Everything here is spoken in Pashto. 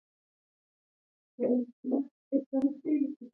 افغانستان د چرګان په برخه کې نړیوالو بنسټونو سره کار کوي.